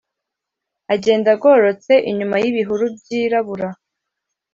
agenda agororotse inyuma y’ibihuru byirabura.